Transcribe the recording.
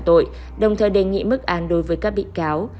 tội đồng thời đề nghị mức án đối với các bị cáo